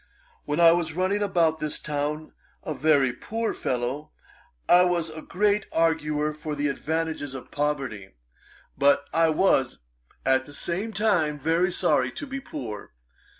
When I was running about this town a very poor fellow, I was a great arguer for the advantages of poverty; but I was, at the same time, very sorry to be poor.